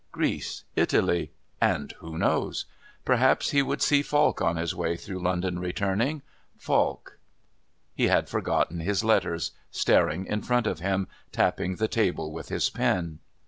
Greece, Italy...and who knows? Perhaps he would see Falk on his way through London returning...Falk.... He had forgotten his letters, staring in front of him, tapping the table with his pen.